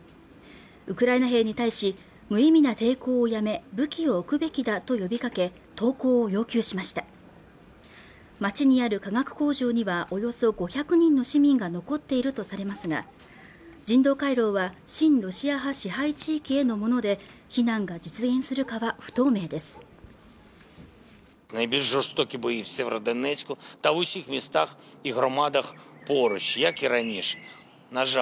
ウクライナ兵に対し無意味な抵抗をやめ武器を置くべきだと呼びかけ投降を要求しました町にある化学工場にはおよそ５００人の市民が残っているとされますが人道回廊は親ロシア派支配地域へのもので避難が実現するかは不透明です